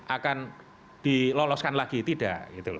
akan diloloskan lagi tidak